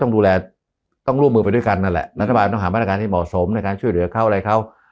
ต้องดูแลต้องร่วมมือไปด้วยกันนั่นแหละรัฐบาลต้องหามาตรการที่เหมาะสมในการช่วยเหลือเขาอะไรเขา